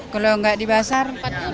kalau nggak dibasar empat puluh